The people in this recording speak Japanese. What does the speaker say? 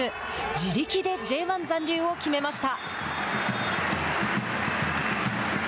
自力でＪ１残留を決めました。